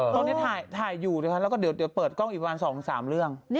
ตอนนี้ทายอยู่ด้วยค่ะและเดี๋ยวเปิดกล้อง๒๓เรื่อง